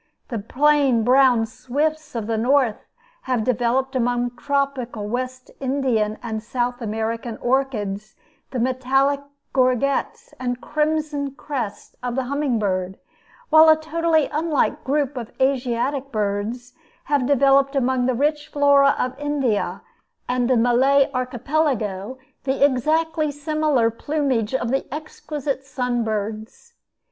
The plain brown swifts of the North have developed among tropical West Indian and South American orchids the metallic gorgets and crimson crests of the humming bird; while a totally unlike group of Asiatic birds have developed among the rich flora of India and the Malay Archipelago the exactly similar plumage of the exquisite sun birds.